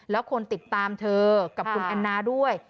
แล้วคนติดตามเธอกับคุณแอนนาด้วย